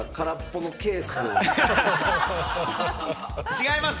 違います。